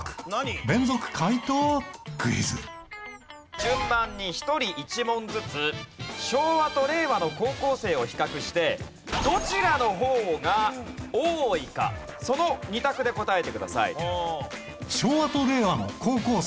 順番に１人１問ずつ昭和と令和の高校生を比較してどちらの方が多いかその２択で答えてください。